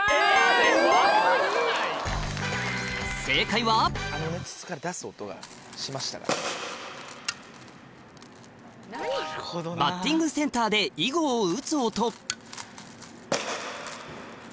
ということで正解はバッティングセンターで囲碁を打つ。